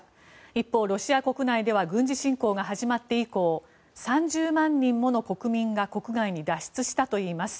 一方、ロシア国内では軍事侵攻が始まって以降３０万人もの国民が国外に脱出したといいます。